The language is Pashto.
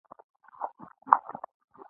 د خربوزو کښت کله وکړم؟